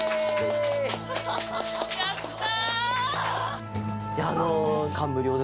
やった！